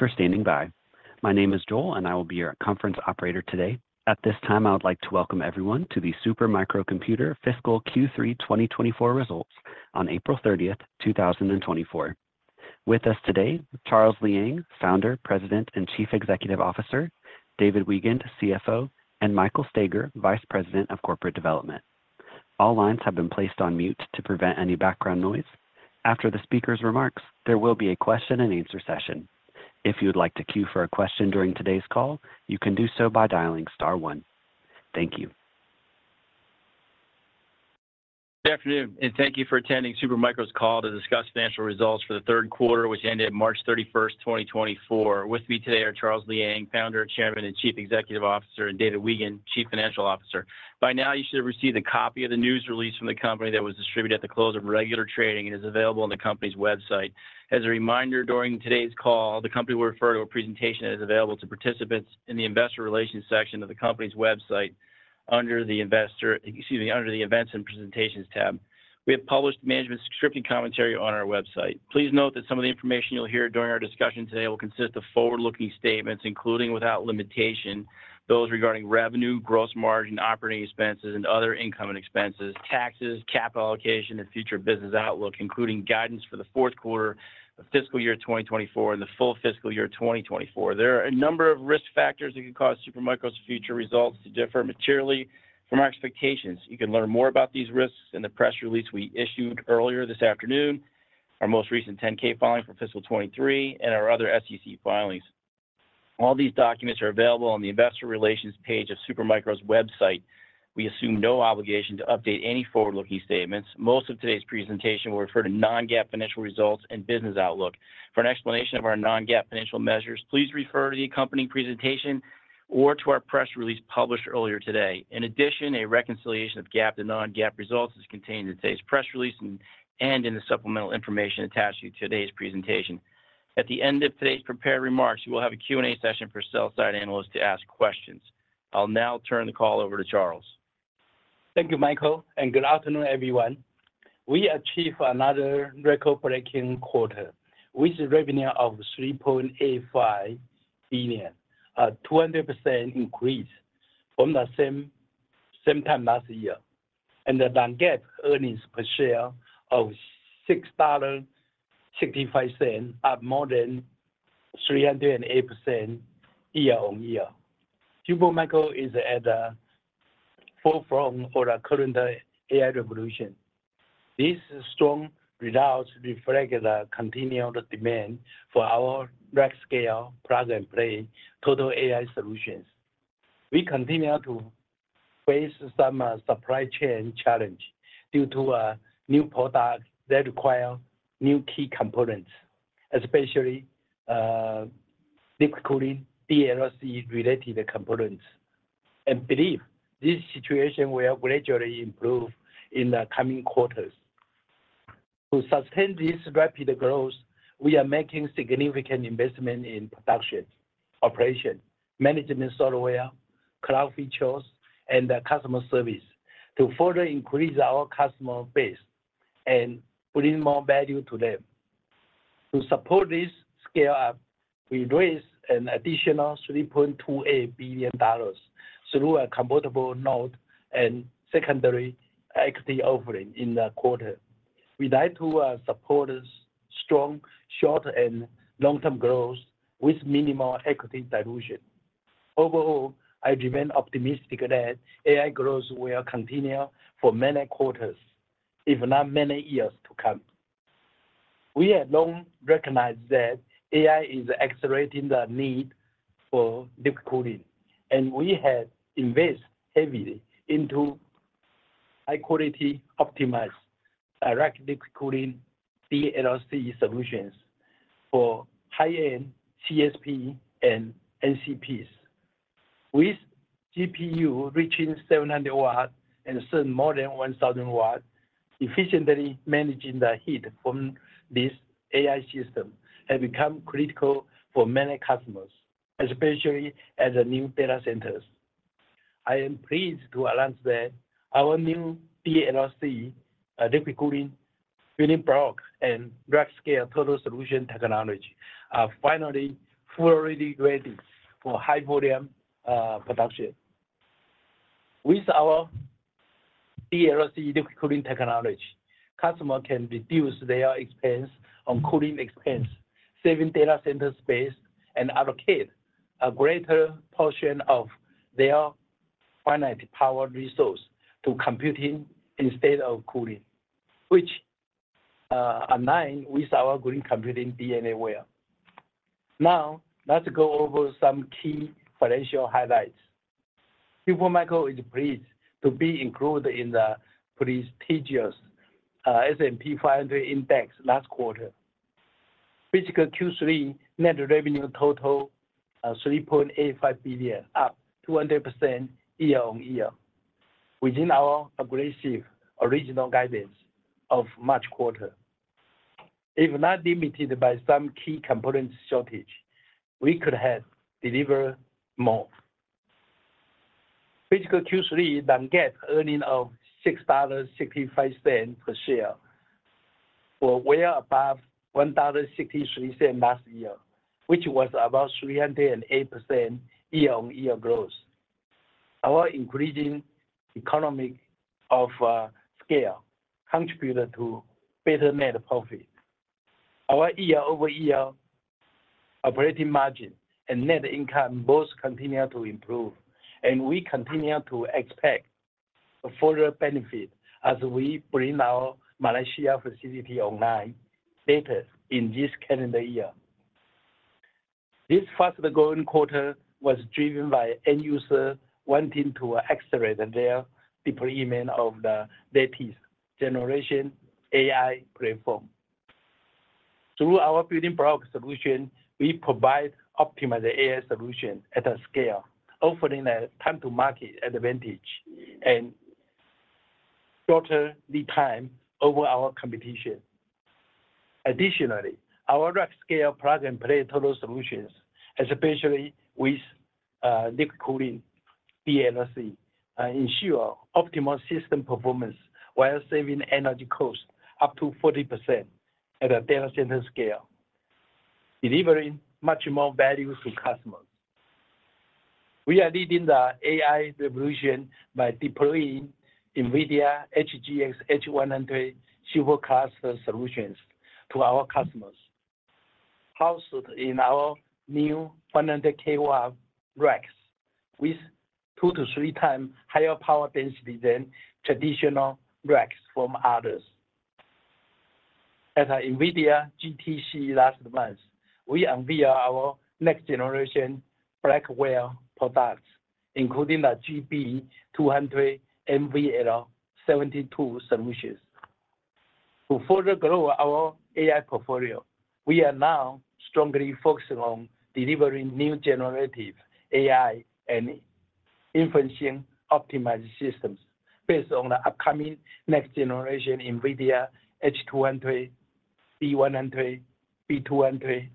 Thank you for standing by. My name is Joel, and I will be your conference operator today. At this time, I would like to welcome everyone to the Super Micro Computer fiscal Q3 2024 results on April 30, 2024. With us today, Charles Liang, Founder, President, and Chief Executive Officer, David Weigand, CFO, and Michael Staiger, Vice President of Corporate Development. All lines have been placed on mute to prevent any background noise. After the speaker's remarks, there will be a question and answer session. If you would like to queue for a question during today's call, you can do so by dialing star one. Thank you. Good afternoon, and thank you for attending Super Micro's call to discuss financial results for the third quarter, which ended March 31, 2024. With me today are Charles Liang, Founder, Chairman, and Chief Executive Officer, and David Weigand, Chief Financial Officer. By now, you should have received a copy of the news release from the company that was distributed at the close of regular trading and is available on the company's website. As a reminder, during today's call, the company will refer to a presentation that is available to participants in the investor relations section of the company's website under the investor, excuse me, under the Events and Presentations tab. We have published management's scripted commentary on our website. Please note that some of the information you'll hear during our discussion today will consist of forward-looking statements, including, without limitation, those regarding revenue, gross margin, operating expenses, and other income and expenses, taxes, capital allocation, and future business outlook, including guidance for the fourth quarter of fiscal year 2024 and the full fiscal year 2024. There are a number of risk factors that could cause Super Micro's future results to differ materially from our expectations. You can learn more about these risks in the press release we issued earlier this afternoon, our most recent 10-K filing for fiscal 2023, and our other SEC filings. All these documents are available on the investor relations page of Super Micro's website. We assume no obligation to update any forward-looking statements. Most of today's presentation will refer to non-GAAP financial results and business outlook. For an explanation of our non-GAAP financial measures, please refer to the accompanying presentation or to our press release published earlier today. In addition, a reconciliation of GAAP to non-GAAP results is contained in today's press release and in the supplemental information attached to today's presentation. At the end of today's prepared remarks, we will have a Q&A session for sell-side analysts to ask questions. I'll now turn the call over to Charles. Thank you, Michael, and good afternoon, everyone. We achieved another record-breaking quarter with revenue of $3.85 billion, a 200% increase from the same, same time last year, and the non-GAAP earnings per share of $6.65, up more than 308% year-on-year. Super Micro is at the forefront for the current AI revolution. These strong results reflect the continued demand for our rack-scale plug-and-play total AI solutions. We continue to face some supply chain challenge due to new products that require new key components, especially liquid cooling DLC-related components, and believe this situation will gradually improve in the coming quarters. To sustain this rapid growth, we are making significant investment in production, operation, management software, cloud features, and customer service to further increase our customer base and bring more value to them. To support this scale-up, we raised an additional $3.28 billion through a convertible note and secondary equity offering in the quarter. We like to support strong, short, and long-term growth with minimal equity dilution. Overall, I remain optimistic that AI growth will continue for many quarters, if not many years to come. We have long recognized that AI is accelerating the need for liquid cooling, and we have invested heavily into high-quality, optimized, direct liquid cooling DLC solutions for high-end CSP and NCPs. With GPU reaching 700 W and soon more than 1,000 W, efficiently managing the heat from this AI system has become critical for many customers, especially as the new data centers. I am pleased to announce that our new DLC liquid cooling block and direct scale total solution technology are finally fully ready for high-volume production. With our DLC liquid cooling technology, customers can reduce their expense on cooling expense, saving data center space and allocate a greater portion of their finite power resource to computing instead of cooling, which aligns with our green computing DNA well. Now, let's go over some key financial highlights. Super Micro is pleased to be included in the prestigious S&P 500 index last quarter. Fiscal Q3 net revenue total $3.85 billion, up 200% year-on-year, within our aggressive original guidance of March quarter. If not limited by some key component shortage, we could have delivered more. Fiscal Q3 non-GAAP earnings of $6.65 per share were way above $1.63 last year, which was about 308% year-on-year growth. Our increasing economies of scale contributed to better net profit. Our year-over-year operating margin and net income both continue to improve, and we continue to expect a further benefit as we bring our Malaysia facility online later in this calendar year. This fast-growing quarter was driven by end users wanting to accelerate their deployment of the latest generation AI platform. Through our building block solution, we provide optimized AI solution at a scale, offering a time-to-market advantage and shorter lead time over our competition. Additionally, our rack scale plug-and-play total solutions, especially with liquid cooling DLC, ensure optimal system performance while saving energy costs up to 40% at a data center scale, delivering much more value to customers. We are leading the AI revolution by deploying NVIDIA HGX H100 Supercluster solutions to our customers, housed in our new 100 kW racks, with 2x-3x higher power density than traditional racks from others. At the NVIDIA GTC last month, we unveiled our next generation Blackwell products, including the GB200 NVL72 solutions. To further grow our AI portfolio, we are now strongly focusing on delivering new generative AI and inferencing optimized systems based on the upcoming next generation NVIDIA H200, B100, B200,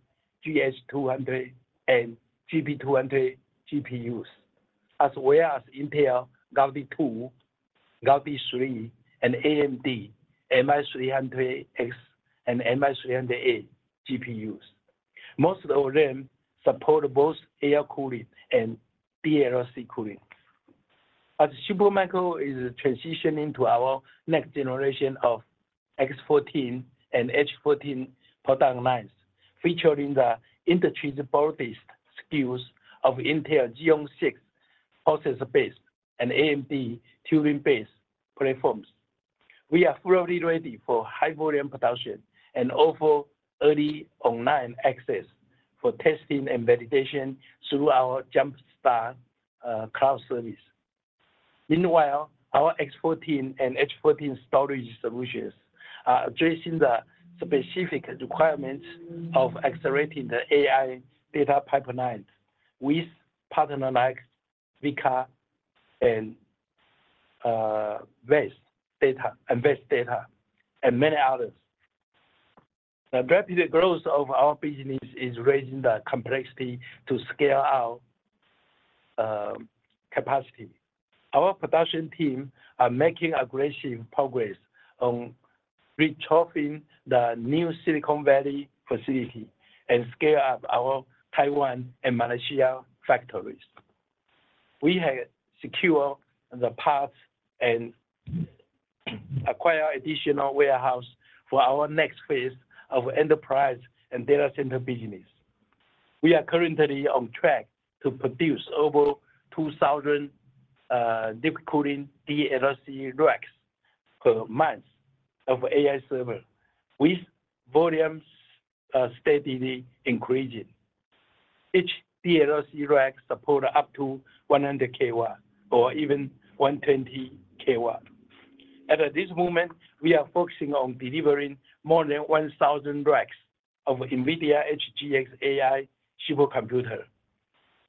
GH200, and GB200 GPUs, as well as Intel Gaudi 2, Gaudi 3, and AMD MI300X and MI300A GPUs. Most of them support both air cooling and DLC cooling. As Supermicro is transitioning to our next generation of X14 and H14 product lines, featuring the industry's broadest SKUs of Intel Xeon 6 processor-based and AMD Turin-based platforms. We are fully ready for high-volume production and offer early online access for testing and validation through our JumpStart cloud service. Meanwhile, our X14 and H14 storage solutions are addressing the specific requirements of accelerating the AI data pipeline with partners like WEKA and VAST Data, and many others. The rapid growth of our business is raising the complexity to scale our capacity. Our production team are making aggressive progress on retrofitting the new Silicon Valley facility and scale up our Taiwan and Malaysia factories. We have secured the path and acquired additional warehouse for our next phase of enterprise and data center business. We are currently on track to produce over 2,000 liquid cooling DLC racks per month of AI server, with volumes steadily increasing. Each DLC rack support up to 100 kW or even 120 kW. At this moment, we are focusing on delivering more than 1,000 racks of NVIDIA HGX AI supercomputer.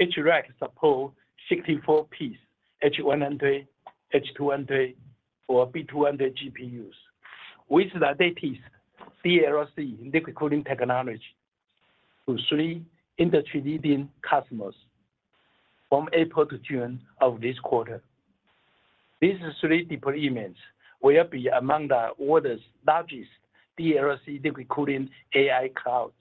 Each rack support 64 piece H100, H200, or B200 GPUs, with the latest CLRC liquid cooling technology to three industry-leading customers from April to June of this quarter. These three deployments will be among the world's largest DLC liquid cooling AI clouds,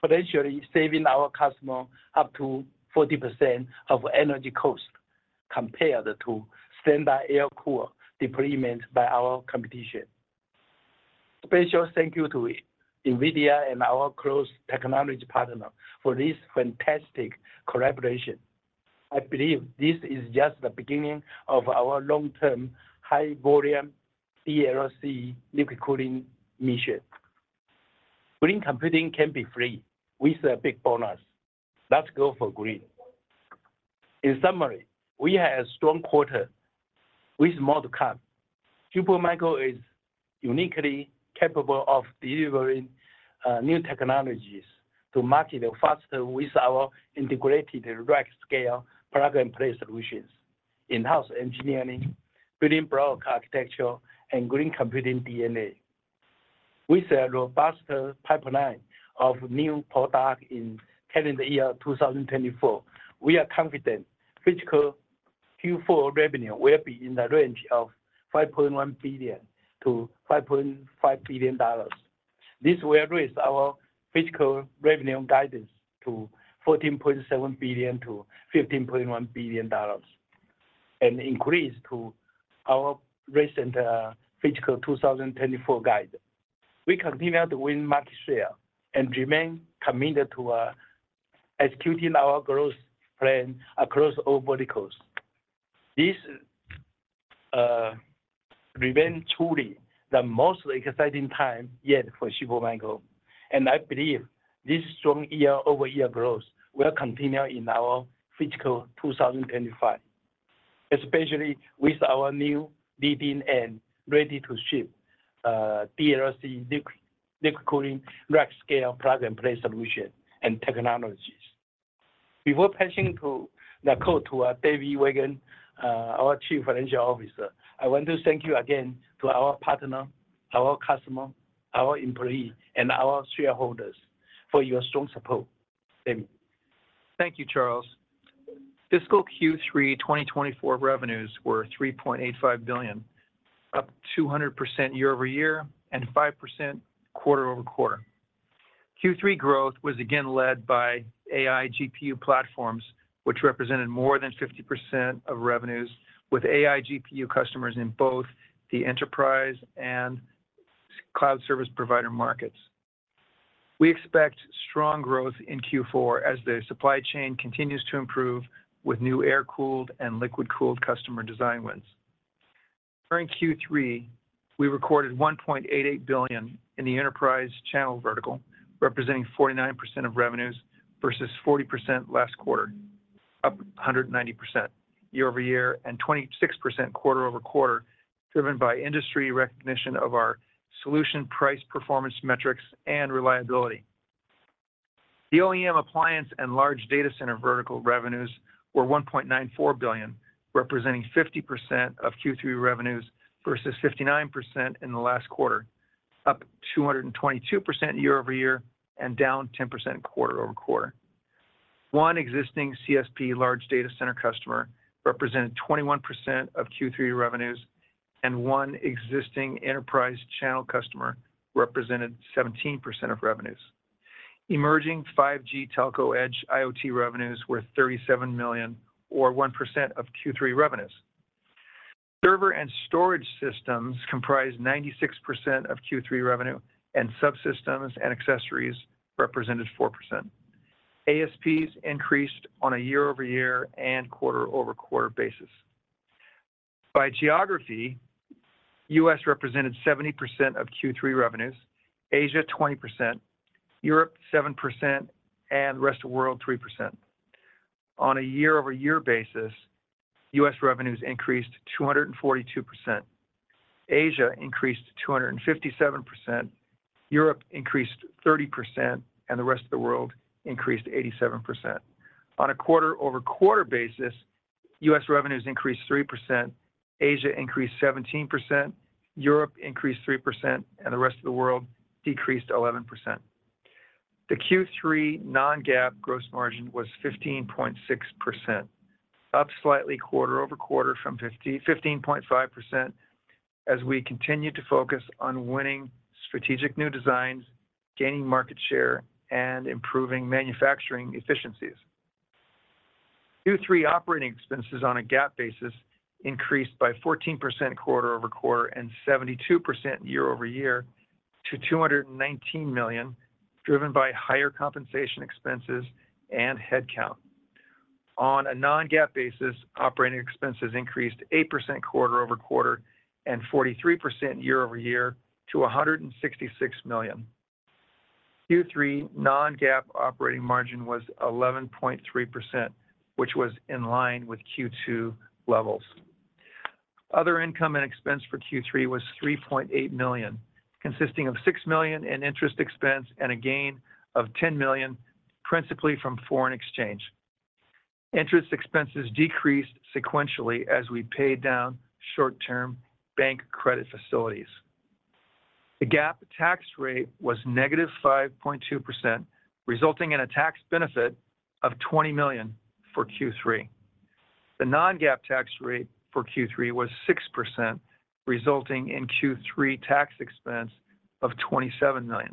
potentially saving our customer up to 40% of energy cost compared to standard air cooler deployments by our competition. Special thank you to NVIDIA and our close technology partner for this fantastic collaboration. I believe this is just the beginning of our long-term, high-volume DLC liquid cooling mission. Green computing can be free, with a big bonus. Let's go for green. In summary, we had a strong quarter with more to come. Supermicro is uniquely capable of delivering new technologies to market faster with our integrated rack scale plug and play solutions, in-house engineering, building block architecture, and green computing DNA. With a robust pipeline of new product in calendar year 2024, we are confident fiscal Q4 revenue will be in the range of $5.1 billion-$5.5 billion. This will raise our fiscal revenue guidance to $14.7 billion-$15.1 billion, and increase to our recent fiscal 2024 guide. We continue to win market share and remain committed to executing our growth plan across all verticals. This remains truly the most exciting time yet for Supermicro, and I believe this strong year-over-year growth will continue in our fiscal 2025, especially with our new leading and ready-to-ship DLC liquid cooling, rack scale, plug and play solution and technologies. Before passing the call to David Weigand, our Chief Financial Officer, I want to thank you again to our partner, our customer, our employee, and our shareholders for your strong support. David? Thank you, Charles. Fiscal Q3 2024 revenues were $3.85 billion, up 200% year-over-year and 5% quarter-over-quarter. Q3 growth was again led by AI GPU platforms, which represented more than 50% of revenues, with AI GPU customers in both the enterprise and cloud service provider markets. We expect strong growth in Q4 as the supply chain continues to improve with new air-cooled and liquid-cooled customer design wins. During Q3, we recorded $1.88 billion in the enterprise channel vertical, representing 49% of revenues versus 40% last quarter, up 190% year-over-year and 26% quarter-over-quarter, driven by industry recognition of our solution price, performance, metrics, and reliability. The OEM appliance and large data center vertical revenues were $1.94 billion, representing 50% of Q3 revenues versus 59% in the last quarter, up 222% year-over-year and down 10% quarter-over-quarter. One existing CSP large data center customer represented 21% of Q3 revenues, and one existing enterprise channel customer represented 17% of revenues. Emerging 5G telco Edge IoT revenues were $37 million, or 1% of Q3 revenues. Server and storage systems comprised 96% of Q3 revenue, and subsystems and accessories represented 4%. ASPs increased on a year-over-year and quarter-over-quarter basis. By geography, U.S. represented 70% of Q3 revenues, Asia, 20%, Europe, 7%, and the rest of the world, 3%. On a year-over-year basis, U.S. revenues increased 242%, Asia increased 257%, Europe increased 30%, and the rest of the world increased 87%. On a quarter-over-quarter basis, U.S. revenues increased 3%, Asia increased 17%, Europe increased 3%, and the rest of the world decreased 11%. The Q3 non-GAAP gross margin was 15.6%, up slightly quarter-over-quarter from 15.5% as we continue to focus on winning strategic new designs, gaining market share, and improving manufacturing efficiencies. Q3 operating expenses on a GAAP basis increased by 14% quarter-over-quarter and 72% year-over-year to $219 million, driven by higher compensation expenses and headcount. On a non-GAAP basis, operating expenses increased 8% quarter-over-quarter and 43% year-over-year to $166 million. Q3 non-GAAP operating margin was 11.3%, which was in line with Q2 levels. Other income and expense for Q3 was $3.8 million, consisting of $6 million in interest expense and a gain of $10 million, principally from foreign exchange. Interest expenses decreased sequentially as we paid down short-term bank credit facilities. The GAAP tax rate was -5.2%, resulting in a tax benefit of $20 million for Q3. The non-GAAP tax rate for Q3 was 6%, resulting in Q3 tax expense of $27 million.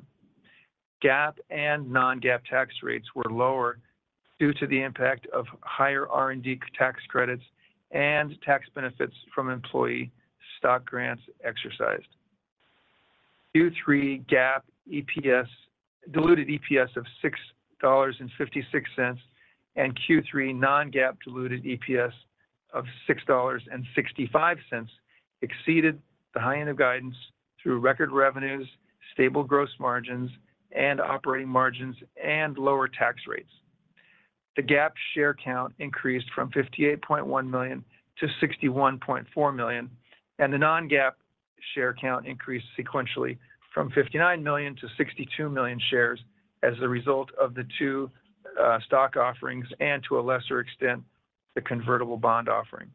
GAAP and non-GAAP tax rates were lower due to the impact of higher R&D tax credits and tax benefits from employee stock grants exercised. Q3 GAAP EPS diluted EPS of $6.56, and Q3 non-GAAP diluted EPS of $6.65, exceeded the high end of guidance through record revenues, stable gross margins and operating margins, and lower tax rates. The GAAP share count increased from 58.1 million-61.4 million, and the non-GAAP share count increased sequentially from 59 million-62 million shares as a result of the two stock offerings and, to a lesser extent, the convertible bond offering.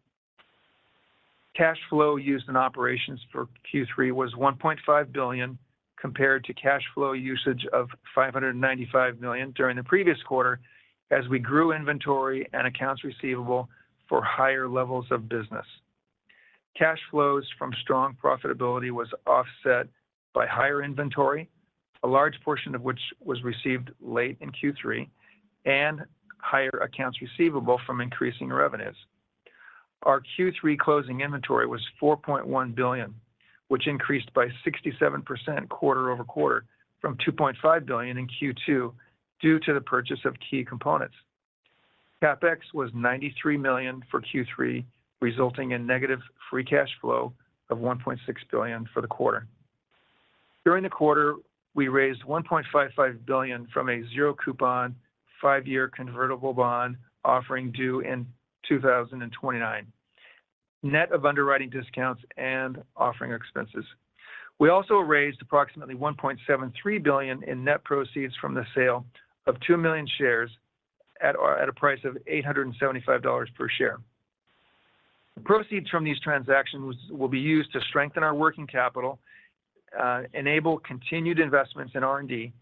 Cash flow used in operations for Q3 was $1.5 billion, compared to cash flow usage of $595 million during the previous quarter, as we grew inventory and accounts receivable for higher levels of business. Cash flows from strong profitability was offset by higher inventory, a large portion of which was received late in Q3, and higher accounts receivable from increasing revenues. Our Q3 closing inventory was $4.1 billion, which increased by 67% quarter-over-quarter from $2.5 billion in Q2 due to the purchase of key components. CapEx was $93 million for Q3, resulting in negative free cash flow of $1.6 billion for the quarter. During the quarter, we raised $1.55 billion from a zero-coupon, five-year convertible bond offering due in 2029, net of underwriting discounts and offering expenses. We also raised approximately $1.73 billion in net proceeds from the sale of 2 million shares at our—at a price of $875 per share. Proceeds from these transactions will be used to strengthen our working capital, enable continued investments in R&D,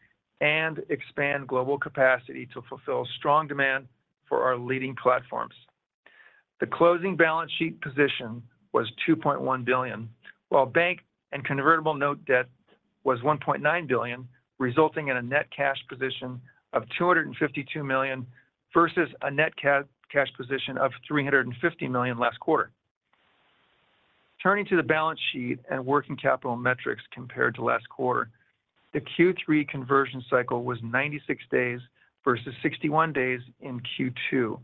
and expand global capacity to fulfill strong demand for our leading platforms. The closing balance sheet position was $2.1 billion, while bank and convertible note debt was $1.9 billion, resulting in a net cash position of $252 million versus a net cash position of $350 million last quarter. Turning to the balance sheet and working capital metrics compared to last quarter, the Q3 conversion cycle was 96 days versus 61 days in Q2.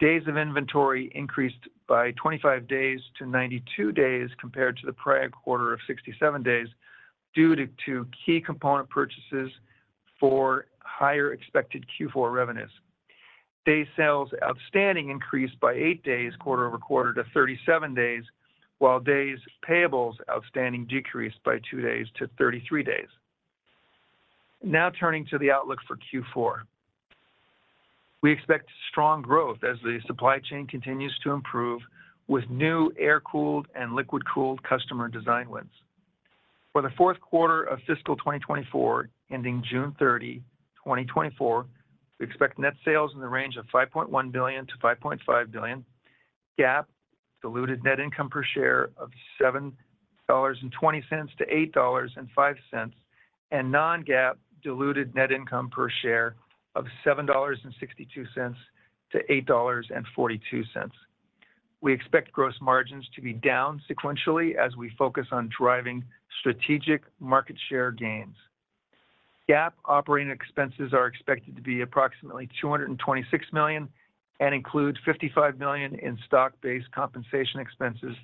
Days of inventory increased by 25 days to 92 days, compared to the prior quarter of 67 days, due to two key component purchases for higher expected Q4 revenues. Days sales outstanding increased by eight days quarter-over-quarter to 37 days, while days payables outstanding decreased by two days to 33 days. Now turning to the outlook for Q4. We expect strong growth as the supply chain continues to improve, with new air-cooled and liquid-cooled customer design wins. For the fourth quarter of fiscal 2024, ending June 30, 2024, we expect net sales in the range of $5.1 billion-$5.5 billion, GAAP diluted net income per share of $7.20-$8.05, and non-GAAP diluted net income per share of $7.62-$8.42. We expect gross margins to be down sequentially as we focus on driving strategic market share gains. GAAP operating expenses are expected to be approximately $226 million and includes $55 million in stock-based compensation expenses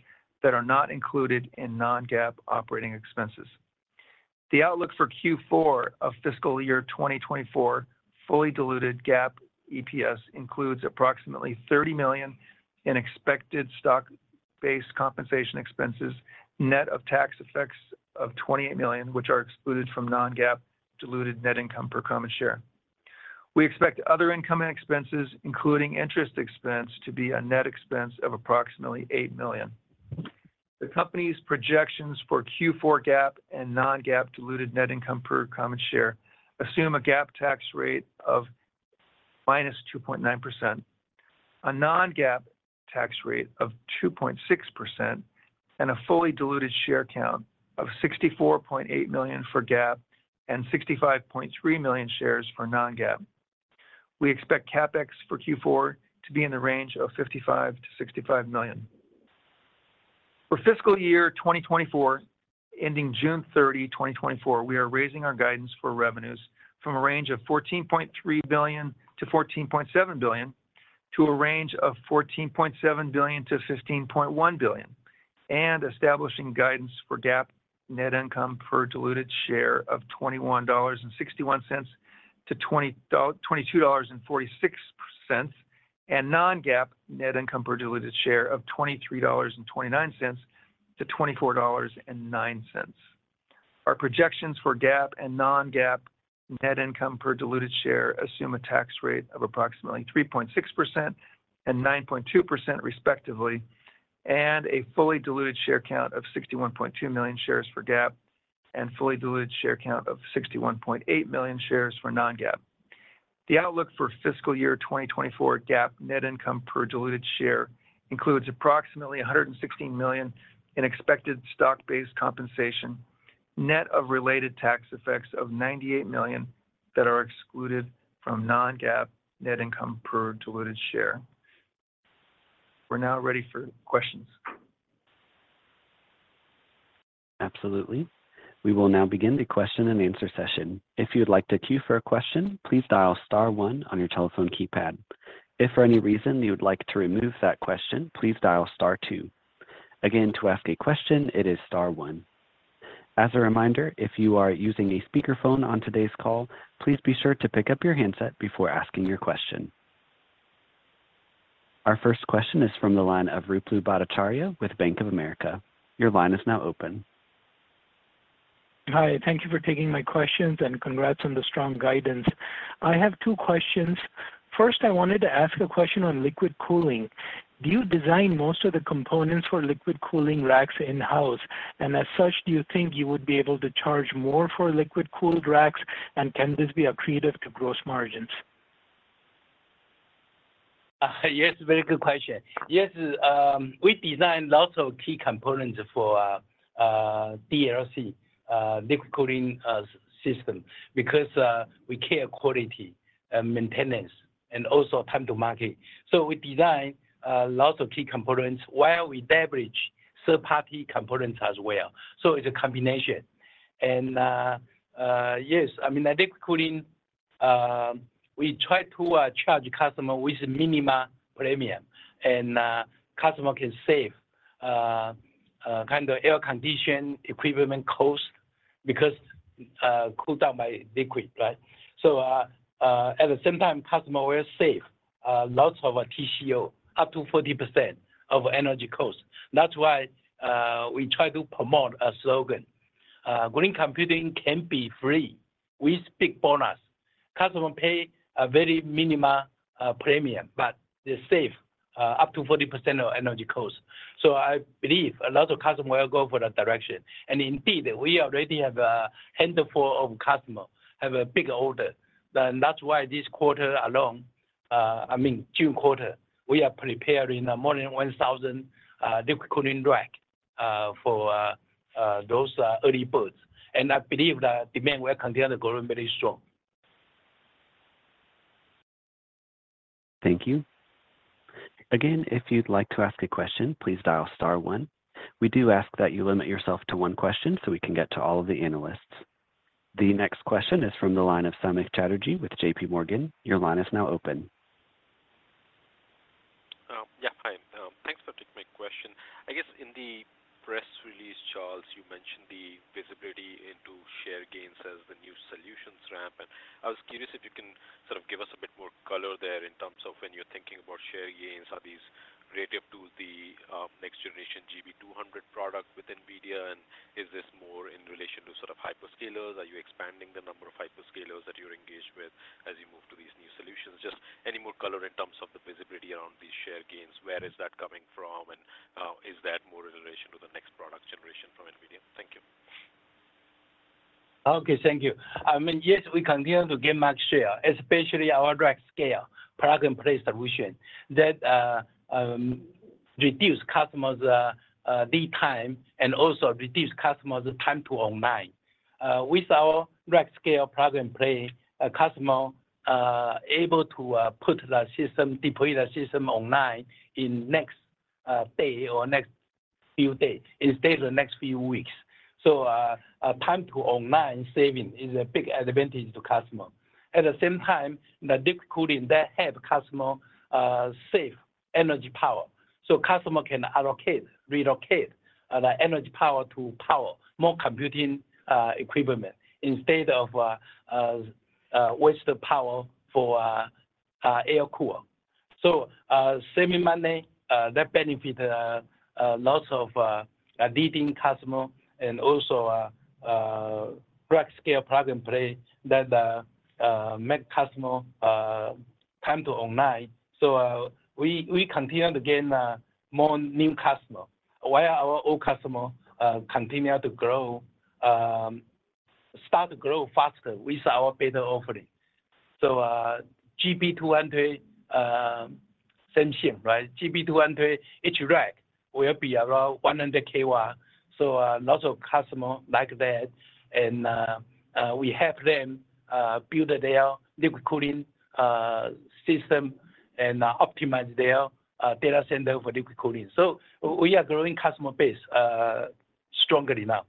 that are not included in non-GAAP operating expenses. The outlook for Q4 of fiscal year 2024, fully diluted GAAP EPS includes approximately $30 million in expected stock-based compensation expenses, net of tax effects of $28 million, which are excluded from non-GAAP diluted net income per common share. We expect other income and expenses, including interest expense, to be a net expense of approximately $8 million. The company's projections for Q4 GAAP and non-GAAP diluted net income per common share assume a GAAP tax rate of -2.9%, a non-GAAP tax rate of 2.6%, and a fully diluted share count of 64.8 million for GAAP and 65.3 million shares for non-GAAP. We expect CapEx for Q4 to be in the range of $55 million-$65 million. For fiscal year 2024, ending June 30, 2024, we are raising our guidance for revenues from a range of $14.3 billion-$14.7 billion, to a range of $14.7 billion-$15.1 billion, and establishing guidance for GAAP net income per diluted share of $21.61-$22.46, and non-GAAP net income per diluted share of $23.29-$24.09. Our projections for GAAP and non-GAAP net income per diluted share assume a tax rate of approximately 3.6% and 9.2%, respectively, and a fully diluted share count of 61.2 million shares for GAAP and fully diluted share count of 61.8 million shares for non-GAAP. The outlook for fiscal year 2024 GAAP net income per diluted share includes approximately $116 million in expected stock-based compensation, net of related tax effects of $98 million that are excluded from non-GAAP net income per diluted share. We're now ready for questions. Absolutely. We will now begin the question and answer session. If you'd like to queue for a question, please dial star one on your telephone keypad. If for any reason you would like to remove that question, please dial star two. Again, to ask a question, it is star one. As a reminder, if you are using a speakerphone on today's call, please be sure to pick up your handset before asking your question. Our first question is from the line of Ruplu Bhattacharya with Bank of America. Your line is now open. Hi, thank you for taking my questions, and congrats on the strong guidance. I have two questions. First, I wanted to ask a question on liquid cooling. Do you design most of the components for liquid cooling racks in-house? And as such, do you think you would be able to charge more for liquid-cooled racks, and can this be accretive to gross margins? Yes, very good question. Yes, we design lots of key components for DLC, liquid cooling system because we care quality and maintenance and also time to market. So we design lots of key components while we leverage third-party components as well. So it's a combination. And yes, I mean, the liquid cooling, we try to charge customer with minimum premium, and customer can save kind of air condition equipment cost because cooled down by liquid, right? So at the same time, customer will save lots of TCO, up to 40% of energy costs. That's why we try to promote a slogan: "Green computing can be free with big bonus." Customer pay a very minimal premium, but they save up to 40% of energy costs. So I believe a lot of customers will go for that direction. And indeed, we already have a handful of customers, have a big order. Then that's why this quarter alone, I mean, June quarter, we are preparing more than 1,000 liquid cooling rack for those early birds. And I believe that demand will continue to grow very strong. Thank you. Again, if you'd like to ask a question, please dial star one. We do ask that you limit yourself to one question so we can get to all of the analysts. The next question is from the line of Samik Chatterjee with JPMorgan. Your line is now open. Yeah. Hi. Thanks for taking my question. I guess in the press release, Charles, you mentioned the visibility into share gains as the new solutions ramp, and I was curious if you can sort of give us a bit more color there in terms of when you're thinking about share gains. Are these related to the next generation GB200 product with NVIDIA, and is this more in relation to sort of hyperscalers? Are you expanding the number of hyperscalers that you're engaged with as you move to these new solutions? Just any more color in terms of the visibility around these share gains, where is that coming from, and is that more in relation to the next product generation from NVIDIA? Thank you. Okay, thank you. I mean, yes, we continue to gain market share, especially our Rack Scale Plug and Play solution that reduce customers' lead time and also reduce customers' time to online. With our Rack Scale Plug and Play, a customer able to put the system, deploy the system online in next day or next few days instead of the next few weeks. So, time to online saving is a big advantage to customer. At the same time, the liquid cooling that help customer save energy power, so customer can allocate, relocate the energy power to power more computing equipment instead of waste the power for air cool. So, saving money, that benefit lots of leading customers and also Rack Scale Plug and Play that make customer time to online. So, we continue to gain more new customers, while our old customers continue to grow, start to grow faster with our better offering. So, GB200 same ship, right? GB200, each rack will be around 100 kW, so lots of customers like that, and we help them build their liquid cooling system and optimize their data center for liquid cooling. So we are growing customer base strongly now.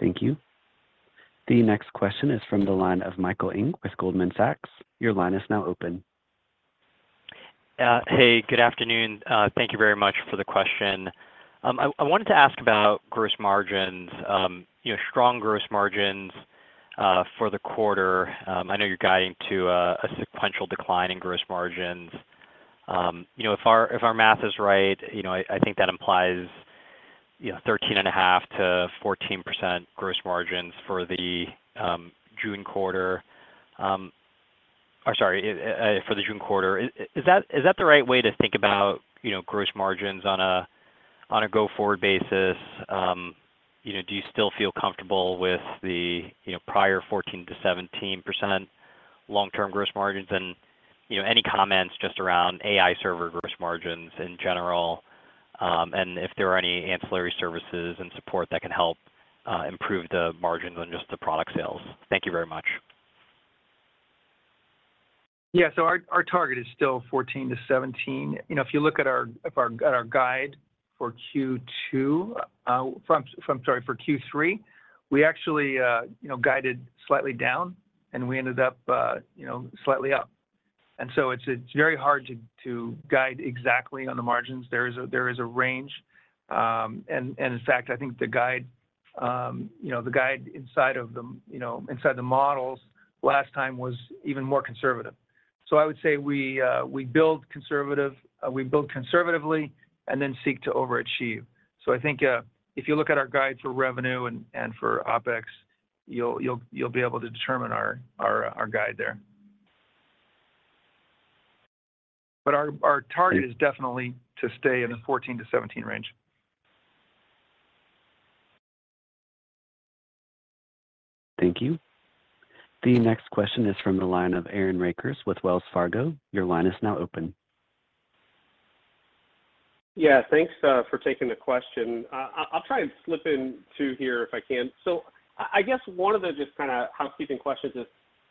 Thank you. The next question is from the line of Michael Ng with Goldman Sachs. Your line is now open. Hey, good afternoon. Thank you very much for the question. I wanted to ask about gross margins. You know, strong gross margins for the quarter. I know you're guiding to a sequential decline in gross margins. You know, if our math is right, you know, I think that implies, you know, 13.5%-14% gross margins for the June quarter. Or sorry, for the June quarter. Is that the right way to think about, you know, gross margins on a go-forward basis? You know, do you still feel comfortable with the, you know, prior 14%-17% long-term gross margins? You know, any comments just around AI server gross margins in general, and if there are any ancillary services and support that can help improve the margins on just the product sales? Thank you very much. Yeah. So our target is still 14-17. You know, if you look at our guide for Q2, from, sorry, for Q3, we actually guided slightly down, and we ended up slightly up. And so it's very hard to guide exactly on the margins. There is a range. And in fact, I think the guide, the guide inside of the models last time was even more conservative. So I would say we build conservatively and then seek to overachieve. So I think, if you look at our guide for revenue and for OpEx, you'll be able to determine our guide there. But our target is definitely to stay in the 14-17 range. Thank you. The next question is from the line of Aaron Rakers with Wells Fargo. Your line is now open. Yeah, thanks for taking the question. I'll try and slip in two here if I can. So I guess one of the just kinda housekeeping questions is,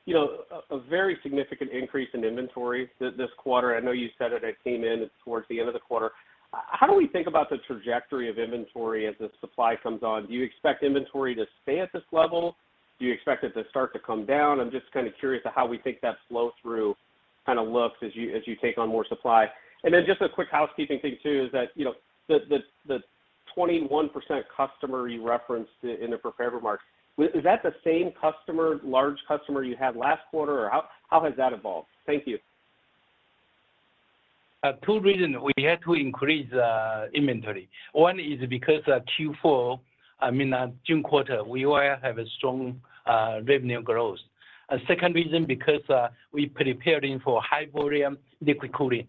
you know, a very significant increase in inventory this quarter. I know you said it came in towards the end of the quarter. How do we think about the trajectory of inventory as the supply comes on? Do you expect inventory to stay at this level? Do you expect it to start to come down? I'm just kind of curious to how we think that flow-through kind of looks as you take on more supply. Then just a quick housekeeping thing, too, is that, you know, the 21% customer you referenced in the prepared remarks, is that the same large customer you had last quarter, or how has that evolved? Thank you. Two reasons we had to increase inventory. One is because Q4, I mean, June quarter, we will have a strong revenue growth. Second reason, because we preparing for high volume liquid cooling.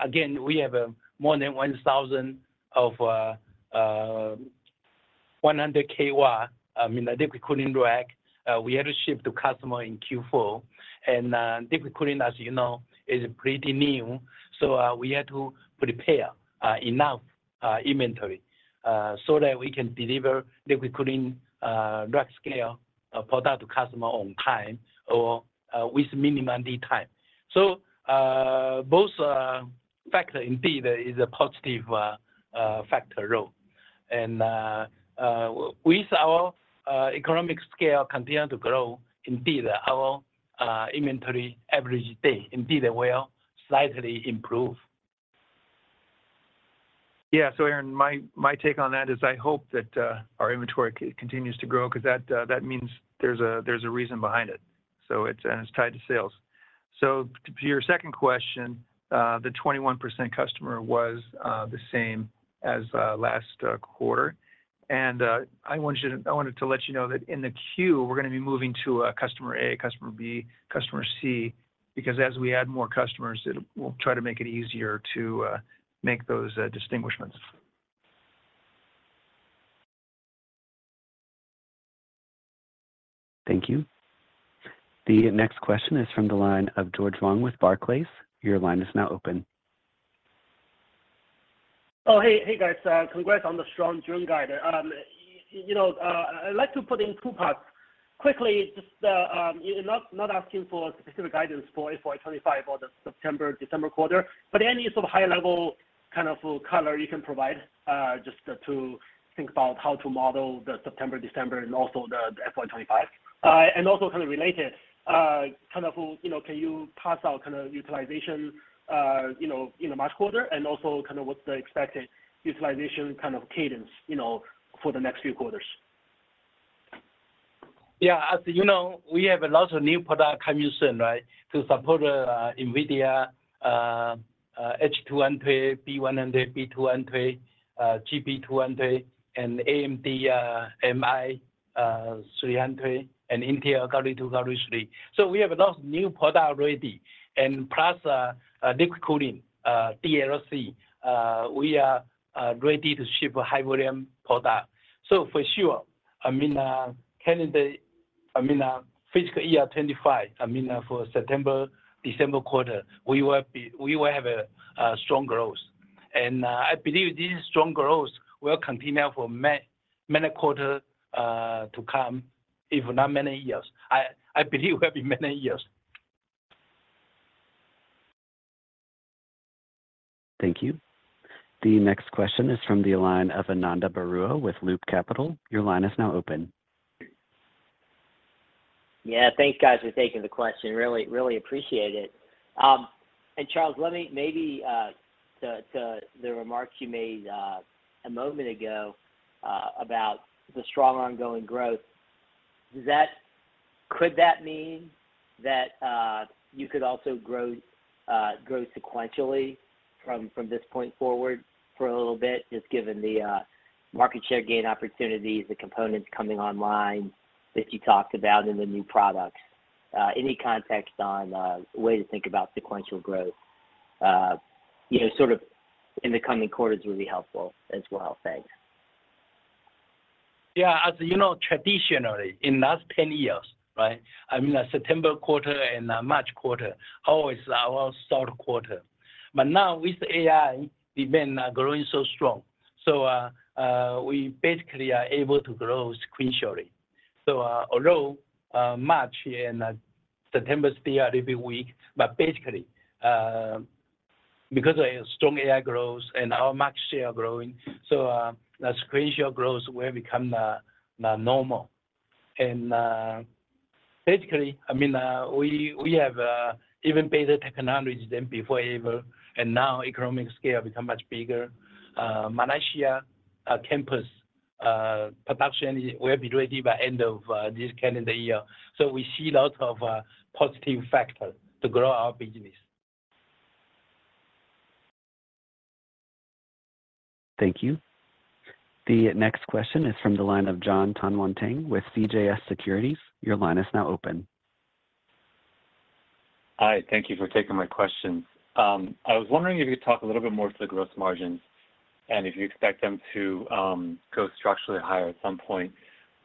Again, we have more than 1,000 of 100 kW, I mean, the liquid cooling rack. We had to ship to customer in Q4, and liquid cooling, as you know, is pretty new, so we had to prepare enough inventory so that we can deliver liquid cooling rack scale product to customer on time or with minimum lead time. So both factor indeed is a positive factor role. And with our economic scale continuing to grow, indeed our inventory every day indeed will slightly improve. Yeah. So Aaron, my take on that is I hope that our inventory continues to grow 'cause that means there's a reason behind it, so it's... and it's tied to sales. So to your second question, the 21% customer was the same as last quarter. And I wanted you to—I wanted to let you know that in the queue, we're gonna be moving to a Customer A, Customer B, Customer C, because as we add more customers, it, we'll try to make it easier to make those distinctions. Thank you. The next question is from the line of George Wang with Barclays. Your line is now open. Oh, hey, guys, congrats on the strong June guide. You know, I'd like to put in two parts. Quickly, just, not asking for specific guidance for FY 2025 or the September-December quarter, but any sort of high-level kind of color you can provide, just to think about how to model the September, December and also the FY 2025. And also kind of related, kind of, you know, can you pass out kind of utilization, you know, in the March quarter? And also, kind of what's the expected utilization kind of cadence, you know, for the next few quarters? Yeah, as you know, we have a lot of new product coming soon, right? To support NVIDIA H200, P100, P200, GB200, and AMD MI300, and Intel Gaudi 2, Gaudi 3. We have a lot of new product ready. Plus, liquid cooling, DLC. We are ready to ship a high volume product. For sure, I mean, calendar, I mean, fiscal year 2025, I mean, for September-December quarter, we will be—we will have a strong growth. I believe this strong growth will continue for many, many quarters to come, if not many years. I believe will be many years. Thank you. The next question is from the line of Ananda Baruah with Loop Capital. Your line is now open. Yeah, thanks, guys, for taking the question. Really, really appreciate it. And Charles, let me maybe the remarks you made a moment ago about the strong ongoing growth. Could that mean that you could also grow sequentially from this point forward for a little bit, just given the market share gain opportunities, the components coming online that you talked about and the new products? Any context on way to think about sequential growth, you know, sort of in the coming quarters would be helpful as well? Thanks. Yeah, as you know, traditionally, in last 10 years, right? I mean, September quarter and March quarter always our third quarter. But now with AI demand growing so strong, so we basically are able to grow sequentially. So although March and September still are a bit weak, but basically because of strong AI growth and our market share growing, so the sequential growth will become normal. And basically, I mean, we have even better technology than before ever, and now economic scale become much bigger. Malaysia campus production will be ready by end of this calendar year. So we see a lot of positive factors to grow our business. Thank you. The next question is from the line of Jon Tanwanteng with CJS Securities. Your line is now open. Hi, thank you for taking my questions. I was wondering if you could talk a little bit more to the gross margins and if you expect them to go structurally higher at some point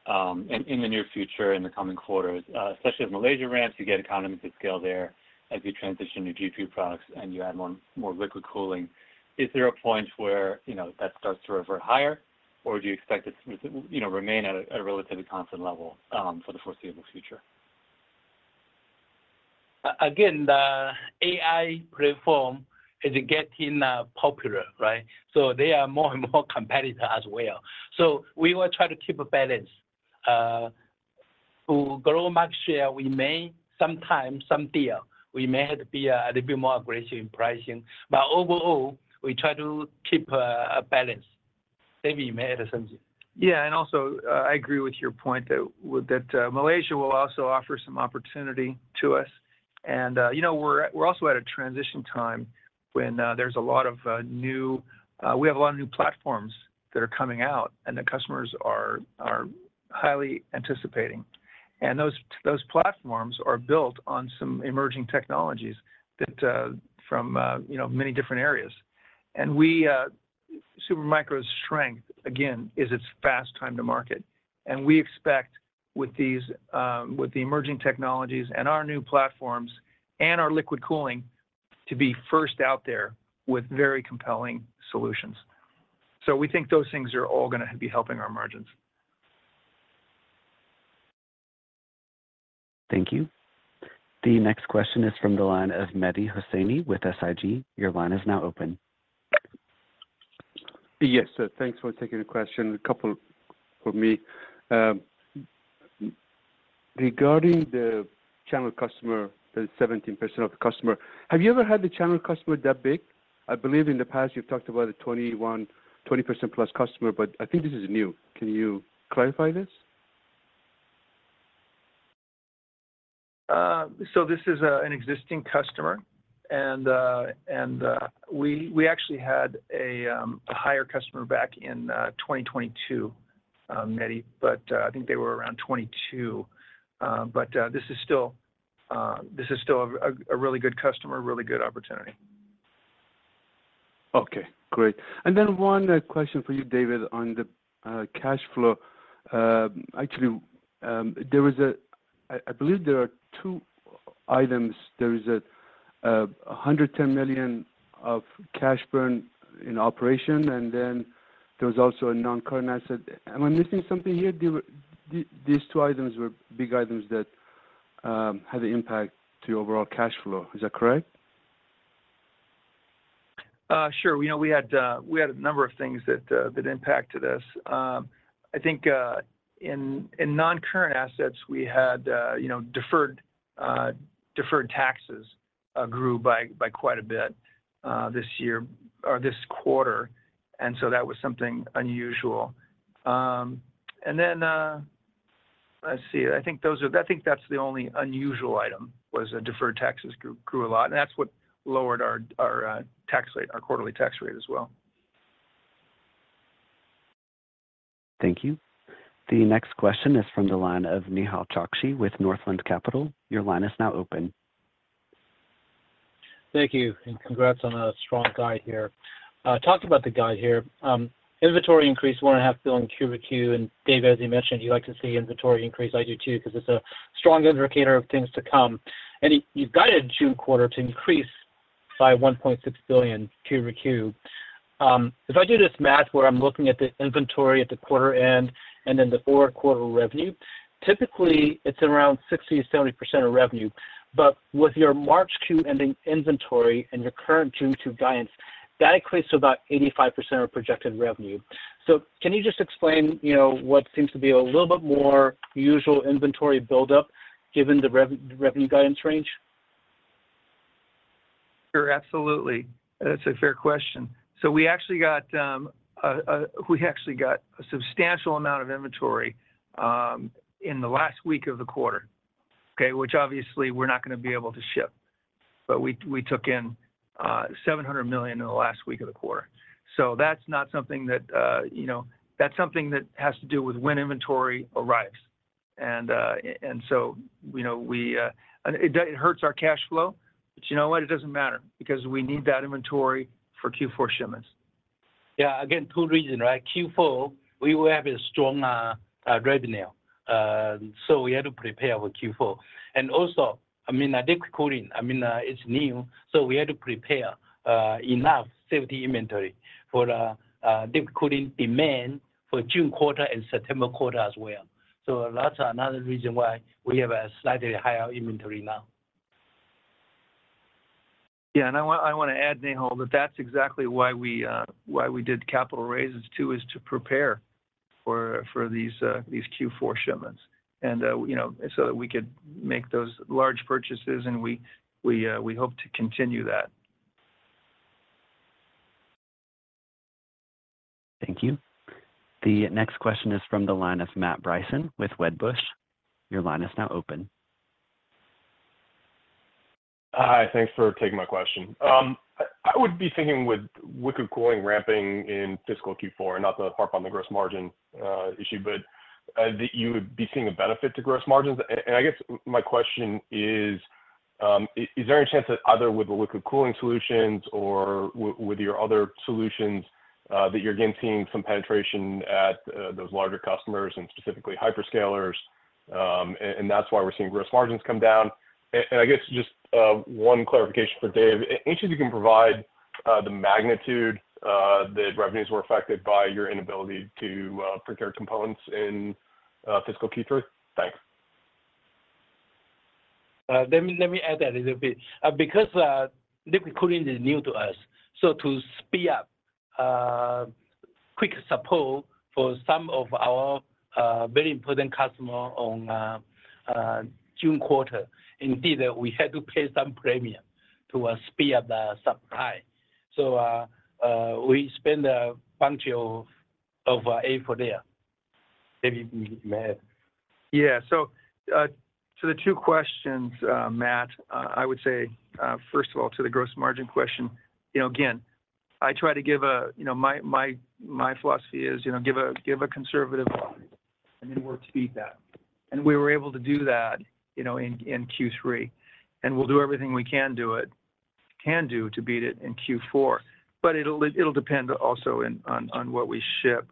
in the near future, in the coming quarters, especially in Malaysia ramps, you get economies of scale there as you transition your G2 products and you add more liquid cooling. Is there a point where, you know, that starts to revert higher, or do you expect it to, you know, remain at a relatively constant level for the foreseeable future? Again, the AI platform is getting popular, right? So there are more and more competitors as well. So we will try to keep a balance. To grow market share, we may sometimes, some deal, we may have to be a little bit more aggressive in pricing. But overall, we try to keep a balance. Maybe, David, you may add something. Yeah, and also, I agree with your point that with that, Malaysia will also offer some opportunity to us. And, you know, we're also at a transition time when there's a lot of new, we have a lot of new platforms that are coming out and the customers are highly anticipating. And those platforms are built on some emerging technologies that from, you know, many different areas. And we, Super Micro's strength, again, is its fast time to market. And we expect with these, with the emerging technologies and our new platforms and our liquid cooling to be first out there with very compelling solutions. So we think those things are all gonna be helping our margins. Thank you. The next question is from the line of Mehdi Hosseini with SIG. Your line is now open. Yes, sir. Thanks for taking the question. A couple for me. Regarding the channel customer, the 17% of the customer, have you ever had the channel customer that big? I believe in the past, you've talked about a 21, 20%+ customer, but I think this is new. Can you clarify this? So this is an existing customer, and we actually had a higher customer back in 2022, Mehdi, but I think they were around 22. But this is still a really good customer, a really good opportunity. Okay, great. And then one question for you, David, on the cash flow. Actually, there was—I believe there are two items. There is a $110 million of cash burn in operation, and then there was also a non-current asset. Am I missing something here? Do these two items were big items that had an impact to your overall cash flow. Is that correct? Sure. You know, we had a number of things that impacted this. I think in non-current assets, we had you know, deferred taxes grew by quite a bit this year or this quarter, and so that was something unusual. And then, let's see. I think that's the only unusual item, was deferred taxes grew a lot, and that's what lowered our tax rate, our quarterly tax rate as well. Thank you. The next question is from the line of Nehal Chokshi with Northland Capital. Your line is now open. Thank you, and congrats on a strong guide here. Talking about the guide here, inventory increased $1.5 billion quarter-over-quarter. And Dave, as you mentioned, you'd like to see inventory increase. I do, too, because it's a strong indicator of things to come. And you, you've guided June quarter to increase by $1.6 billion quarter-over-quarter. If I do this math where I'm looking at the inventory at the quarter end and then the four-quarter revenue, typically it's around 60%-70% of revenue. But with your March Q ending inventory and your current June quarter guidance, that equates to about 85% of projected revenue. So can you just explain, you know, what seems to be a little bit more usual inventory buildup given the revenue guidance range? Sure, absolutely. That's a fair question. So we actually got, we actually got a substantial amount of inventory in the last week of the quarter, okay? Which obviously we're not gonna be able to ship, but we, we took in $700 million in the last week of the quarter. So that's not something that, you know... That's something that has to do with when inventory arrives. And, and so, you know, we, it hurts our cash flow, but you know what? It doesn't matter because we need that inventory for Q4 shipments. Yeah, again, two reasons, right? Q4, we will have a strong revenue. So we had to prepare for Q4. And also, I mean, liquid cooling, I mean, it's new, so we had to prepare enough safety inventory for the liquid cooling demand for June quarter and September quarter as well. So that's another reason why we have a slightly higher inventory now. Yeah, and I want to add, Nihal, that that's exactly why we did capital raises, too, is to prepare for these Q4 shipments. And, you know, so that we could make those large purchases, and we hope to continue that. Thank you. The next question is from the line of Matt Bryson with Wedbush. Your line is now open. Hi, thanks for taking my question. I would be thinking with liquid cooling ramping in fiscal Q4, not to harp on the gross margin issue, but that you would be seeing a benefit to gross margins. And I guess my question is, is there any chance that either with the liquid cooling solutions or with your other solutions, that you're again seeing some penetration at those larger customers and specifically hyperscalers, and that's why we're seeing gross margins come down? And I guess just one clarification for Dave. If you can provide the magnitude that revenues were affected by your inability to procure components in fiscal Q3? Thanks. Let me add that a little bit. Because liquid cooling is new to us, so to speed up quick support for some of our very important customer on June quarter, indeed, we had to pay some premium to speed up the supply. So, we spent a bunch of extra for there. Maybe Matt... Yeah. So, the two questions, Matt, I would say, first of all, to the gross margin question, you know, again, I try to give a conservative and then work to beat that. You know, my philosophy is, you know, give a conservative and then work to beat that. And we were able to do that, you know, in Q3, and we'll do everything we can to beat it in Q4. But it'll depend also on what we ship.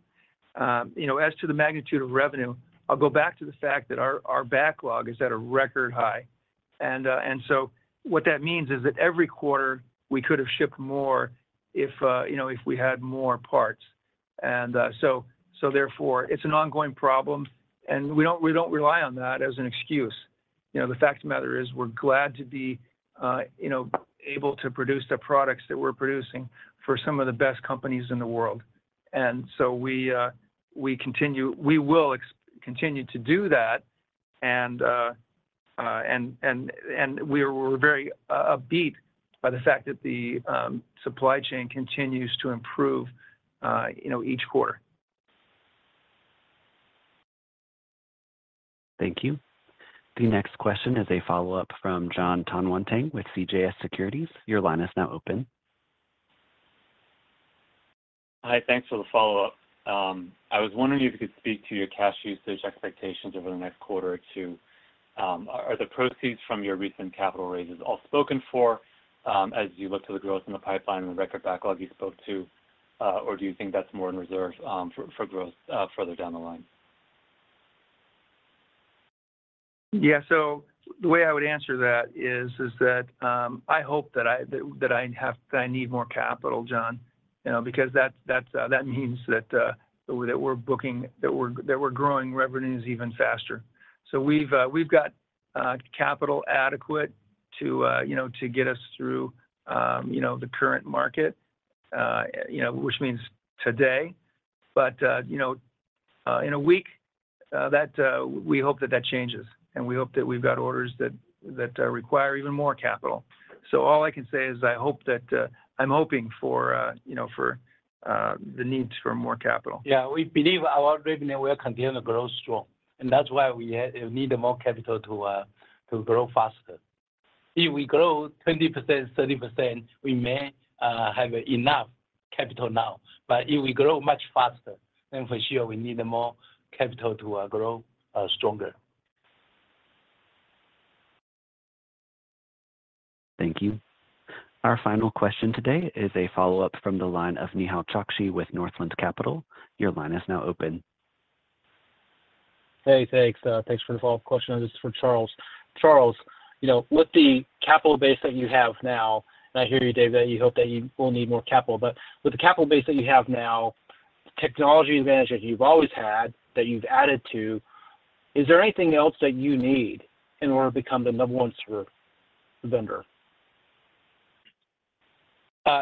You know, as to the magnitude of revenue, I'll go back to the fact that our backlog is at a record high. And so what that means is that every quarter, we could have shipped more if, you know, if we had more parts. Therefore, it's an ongoing problem, and we don't rely on that as an excuse. You know, the fact of the matter is we're glad to be, you know, able to produce the products that we're producing for some of the best companies in the world. So we continue to do that, and we're very upbeat by the fact that the supply chain continues to improve, you know, each quarter. Thank you. The next question is a follow-up from Jon Tanwanteng with CJS Securities. Your line is now open. Hi, thanks for the follow-up. I was wondering if you could speak to your cash usage expectations over the next quarter or two. Are the proceeds from your recent capital raises all spoken for, as you look to the growth in the pipeline and the record backlog you spoke to, or do you think that's more in reserve, for growth further down the line? Yeah, so the way I would answer that is that I hope that I need more capital, John. You know, because that means that we're growing revenues even faster. So we've got capital adequate to, you know, to get us through, you know, the current market, you know, which means today. But, you know, in a week, we hope that that changes, and we hope that we've got orders that require even more capital. So all I can say is I hope that I'm hoping for, you know, for the needs for more capital. Yeah, we believe our revenue will continue to grow strong, and that's why we need more capital to grow faster. If we grow 20%, 30%, we may have enough capital now, but if we grow much faster, then for sure we need more capital to grow stronger. Thank you. Our final question today is a follow-up from the line of Nehal Chokshi with Northland Capital Markets. Your line is now open. Hey, thanks. Thanks for the follow-up question. This is for Charles. Charles, you know, with the capital base that you have now, and I hear you, Dave, that you hope that you will need more capital, but with the capital base that you have now, technology advantage that you've always had, that you've added to, is there anything else that you need in order to become the number one server vendor?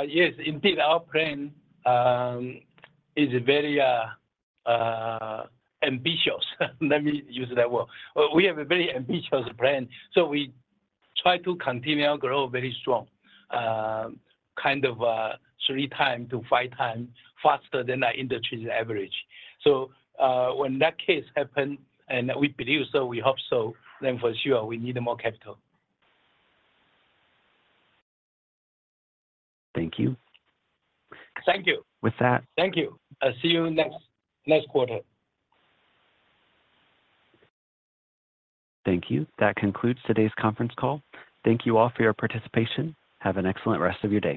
Yes, indeed, our plan is very ambitious. Let me use that word. We have a very ambitious plan, so we try to continue to grow very strong, kind of, 3x-5x faster than the industry's average. So, when that case happen, and we believe so, we hope so, then for sure, we need more capital. Thank you. Thank you. With that- Thank you. I'll see you next, next quarter. Thank you. That concludes today's conference call. Thank you all for your participation. Have an excellent rest of your day.